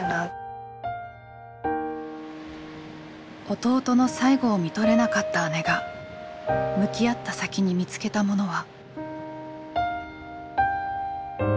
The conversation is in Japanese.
弟の最期をみとれなかった姉が向き合った先に見つけたものは。